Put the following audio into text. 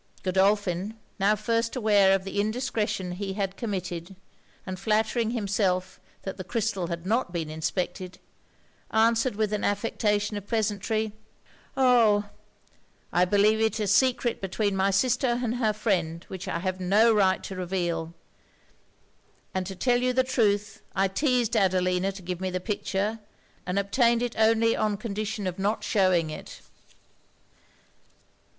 Godolphin, now first aware of the indiscretion he had committed, and flattering himself that the chrystal had not been inspected, answered with an affectation of pleasantry 'Oh! I believe it is a secret between my sister and her friend which I have no right to reveal; and to tell you the truth I teized Adelina to give me the picture, and obtained it only on condition of not shewing it.'